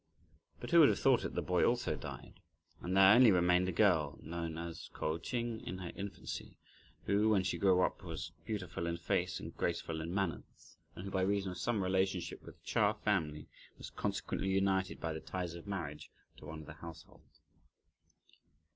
But who would have thought it, the boy also died, and there only remained the girl, known as Kó Ch'ing in her infancy, who when she grew up, was beautiful in face and graceful in manners, and who by reason of some relationship with the Chia family, was consequently united by the ties of marriage (to one of the household).